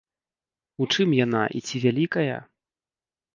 У чым яна і ці вялікая?